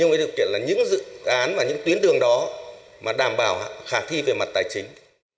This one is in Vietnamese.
trong cái điều kiện là những dự án và những tuyến đường đó mà đảm bảo khả thi về mặt tài chính